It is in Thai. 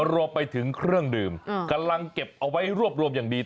รวมไปถึงเครื่องดื่มกำลังเก็บเอาไว้รวบรวมอย่างดี